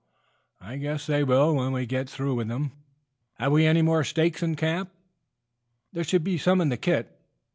"I guess they will when I get through with them. Have we any more stakes in camp?" "There should be some in the kit."